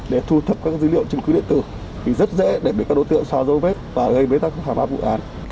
để thu thập các dữ liệu chứng cứ điện tử thì rất dễ để bị các đối tượng xóa dấu vết và gây bế tắc hàng hóa vụ án